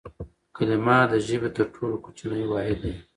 کلیمه د ژبي تر ټولو کوچنی واحد دئ.